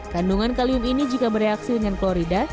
kandungan kalium ini jika bereaksi dengan klorida